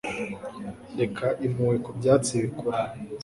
Reba impuhwe ku byatsi bikora